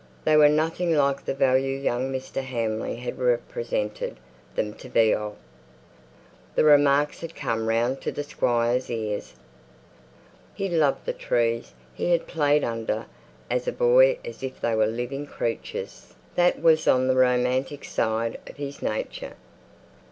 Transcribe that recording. They were nothing like the value young Mr. Hamley had represented them to be." The remarks had come round to the squire's ears. He loved the trees he had played under as a boy as if they were living creatures; that was on the romantic side of his nature.